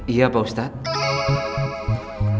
iya pak ustadz